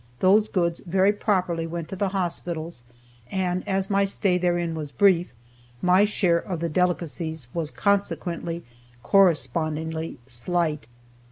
Those goods very properly went to the hospitals, and as my stay therein was brief, my share of the delicacies was consequently correspondingly slight.